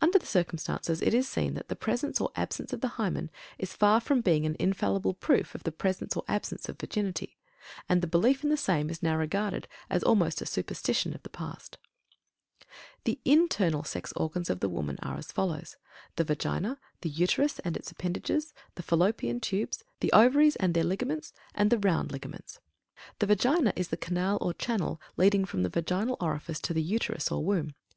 Under the circumstances, it is seen that the presence or absence of the Hymen is far from being an infallible proof of the presence or absence of virginity, and the belief in the same is now regarded as almost a superstition of the past. THE INTERNAL SEX ORGANS OF THE WOMAN. The internal sex organs of the woman are as follows: The Vagina; the Uterus and its appendages; the Fallopian Tubes; the Ovaries, and their ligaments, and the round ligaments. THE VAGINA is the canal or channel leading from the Vaginal Orifice to the Uterus or womb.